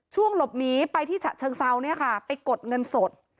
หลบหนีไปที่ฉะเชิงเซาเนี่ยค่ะไปกดเงินสด